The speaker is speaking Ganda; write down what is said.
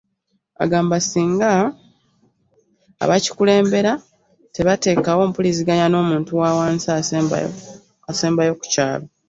Agamba singa abakikulembera tebateekawo mpuliziganya n'omuntu wa wansi asembayo ku kyalo.